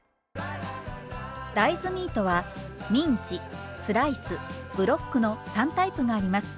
大豆ミートはミンチスライスブロックの３タイプがあります。